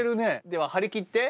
では張り切って。